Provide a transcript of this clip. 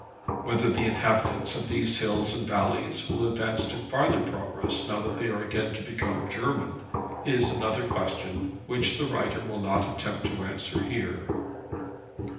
Whether the inhabitants of these hills and valleys will advance to farther progress now that they are again to become German, is another question, which the writer will not attempt to answer here.